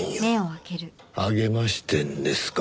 励ましてんですか？